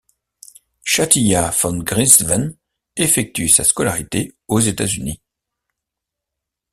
Chatilla van Grinsven effectue sa scolarité aux États-Unis.